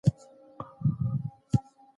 څېړونکی د خپلي پوهي له مخې کار کوي.